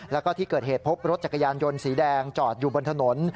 แล้วก็ที่เกิดเหตุพบรถจักรยานยนต์สีแดงจอดอยู่บนถนน